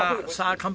乾杯！